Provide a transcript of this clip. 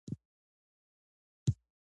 ایا ته غواړې چې په راتلونکي کې ډاکټر شې؟